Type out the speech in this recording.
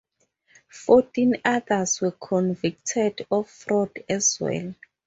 Fourteen others were convicted of fraud as well.